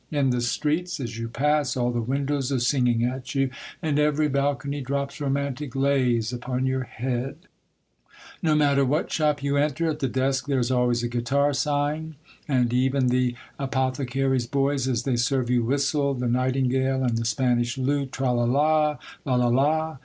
In the streets, as you pass, all the windows are singing at you, and every balcony drops romantic lays upon your head ! No matter what shop you enter, at the desk there is always a guitar sighing, and even the apothe cary's boys, as they serve you, whistle " The Night ingale," and " The Spanish Lute "— Tra la la! la la la!